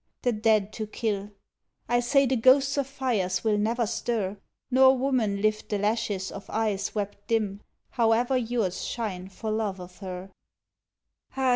The dead to kill. I say, the ghosts of fires will never stir, Nor woman lift the lashes Of eyes wept dim, howe'er yours shine for love of her!